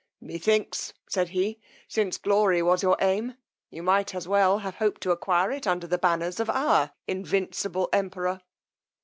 Methinks, said he, since glory was your aim, you might as well have hoped to acquire it under the banners of our invincible emperor.